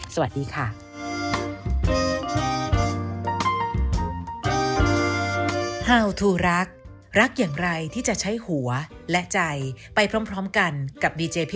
สวัสดีค่ะ